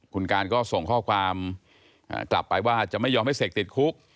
คุณการก็ส่งข้อความกลับไปว่าจะไม่ยอมให้เสกติดคุก